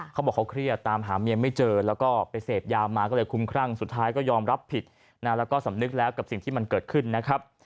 เขาบอกเขาเครียดตามหาเมียไม่เจอแล้วก็ไปเสพยามาก็เลยคุ้มครั่งสุดท้ายก็ยอมรับผิดนะแล้วก็สำนึกแล้วกับสิ่งที่มันเกิดขึ้นนะครับ